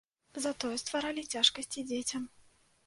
Затое стваралі цяжкасці дзецям.